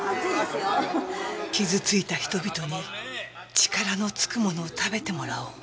傷ついた人々に力のつくものを食べてもらおう。